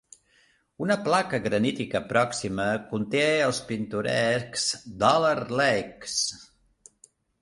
Una placa granítica pròxima conté els pintorescs Dollar Lakes.